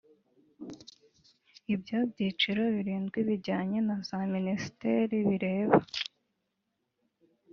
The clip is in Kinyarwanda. Ibyo byiciro birindwi bijyanye na za Minisiteri bireba